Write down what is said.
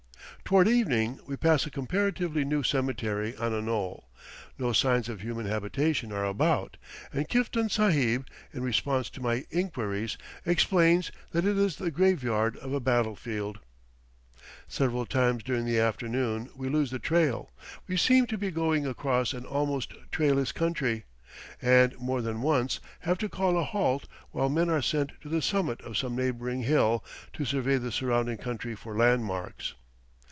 Toward evening we pass a comparatively new cemetery on a knoll; no signs of human habitation are about, and Kiftan Sahib, in response to my inquiries, explains that it is the graveyard of a battle field. Several times during the afternoon we lose the trail; we seem to be going across an almost trailless country, and more than once have to call a halt while men are sent to the summit of some neighboring hill to survey the surrounding country for landmarks.